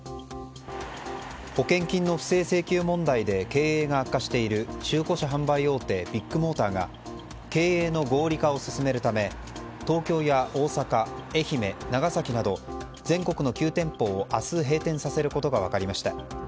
保険金の不正請求問題で経営が悪化している中古車販売大手ビッグモーターが経営の合理化を進めるため東京や大阪、愛媛長崎など全国の９店舗を明日閉店させることが分かりました。